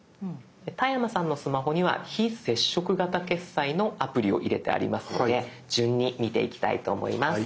で田山さんのスマホには非接触型決済のアプリを入れてありますので順に見ていきたいと思います。